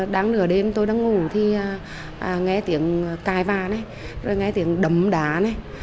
đáng nửa đêm tôi đang ngủ thì nghe tiếng cài và này rồi nghe tiếng đấm đá này